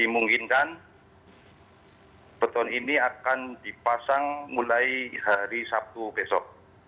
dimungkinkan beton ini akan dipasang mulai hari sabtu besok